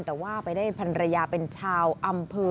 แต่ว่าไปแผ่นภัณฑ์ระยะเป็นชาวอำเภอ